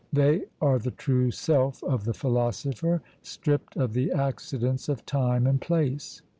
They are the true self of the philosopher, stripped of the accidents of time and place.